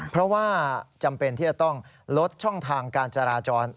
เพราะว่าจำเป็นที่จะต้องลดช่องทางการจราจร